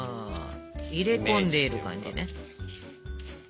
入れ込んでいる感じね。